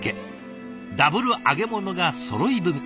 ダブル揚げ物がそろい踏み。